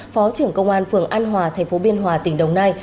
phó trưởng công an phường an hòa tp biên hòa tỉnh đồng nai